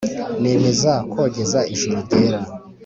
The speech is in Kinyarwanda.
Nemeza kogeza juru ryera